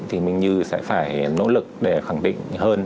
thì mình như sẽ phải nỗ lực để khẳng định hơn